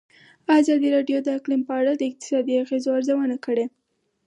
ازادي راډیو د اقلیم په اړه د اقتصادي اغېزو ارزونه کړې.